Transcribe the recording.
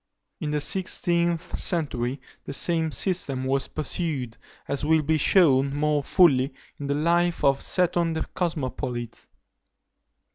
In the sixteenth century, the same system was pursued, as will be shewn more fully in the life of Seton the Cosmopolite.